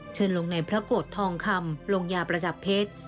เชิญลงในพระโกรธทองคำลงยาประดับเพชร